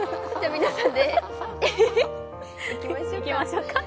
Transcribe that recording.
皆さんで、いきましょうか。